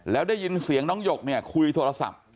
แล้วได้ยินเสียงน้องหยกเนี่ยคุยโทรศัพท์